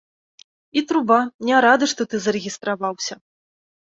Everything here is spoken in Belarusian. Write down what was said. І труба, не рады, што ты зарэгістраваўся.